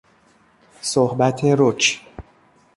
صحبت رک